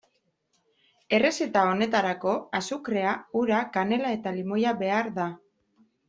Errezeta honetarako azukrea, ura, kanela eta limoia behar da.